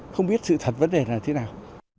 không biết sự thật vấn đề là thế nào